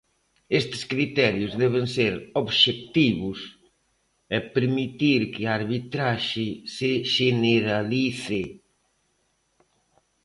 Este criterios deben ser "obxectivos" e permitir que a arbitraxe se "xeneralice".